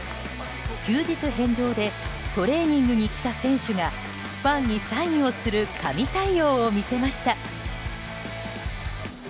休日返上でトレーニングに来た選手がファンにサインをする神対応を見せました。